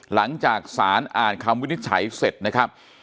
หลังจากสารอ่านคำวินิจฉัยเสร็จนะครับ